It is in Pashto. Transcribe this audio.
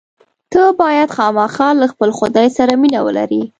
ته باید خامخا له خپل خدای سره مینه ولرې.